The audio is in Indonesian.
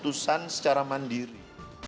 keputusan secara mandiri